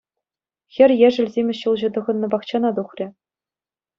Хӗр ешӗл симӗс ҫулҫӑ тӑхӑннӑ пахчана тухрӗ.